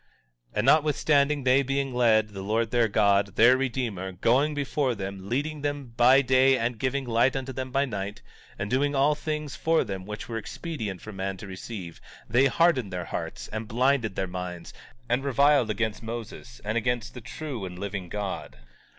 17:30 And notwithstanding they being led, the Lord their God, their Redeemer, going before them, leading them by day and giving light unto them by night, and doing all things for them which were expedient for man to receive, they hardened their hearts and blinded their minds, and reviled against Moses and against the true and living God.